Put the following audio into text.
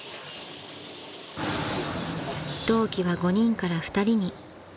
［同期は５人から２人に］